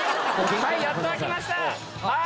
はいやっと開きました！